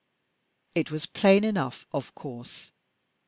It was plain enough, of course.